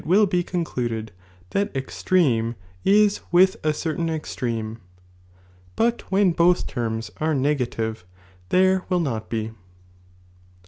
^j™"j'i" will be concluded that extreme is with a cer Byiioniim, lain extreme,' but when both terms are negative ""bJ^™!! there will not be.